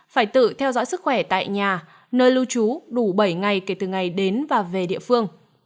phải tự theo dõi sức khỏe tại nhà nơi lưu trú đủ bảy ngày kể từ ngày đến và về địa phương